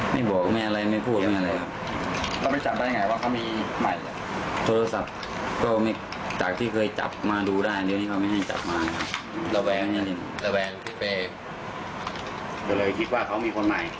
ไม่มีไม่พูดไม่มีอะไรครับแล้วมันจับได้ยากว่ามี